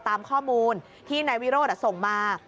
ตามข้อมูลที่นายวิโรทลักษณ์ส่งมา